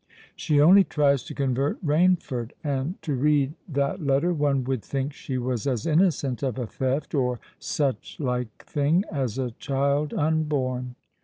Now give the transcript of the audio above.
She only tries to convert Rainford; and, to read that letter, one would think she was as innocent of a theft or such like thing as a child unborn."